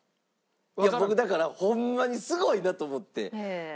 いや僕だからホンマにすごいなと思って。